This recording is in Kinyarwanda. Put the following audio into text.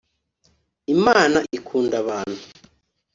imana ikunda abantu.